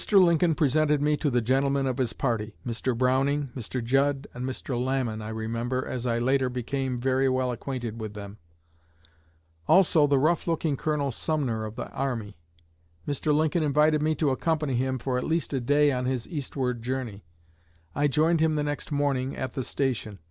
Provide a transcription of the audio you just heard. Lincoln presented me to the gentlemen of his party Mr. Browning, Mr. Judd, and Mr. Lamon, I remember, as I later became very well acquainted with them; also the rough looking Colonel Sumner of the army. Mr. Lincoln invited me to accompany him for at least a day on his eastward journey. I joined him the next morning at the station.